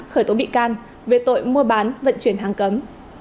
khởi tố bị can về tội mua bán vận chuyển hàng cấm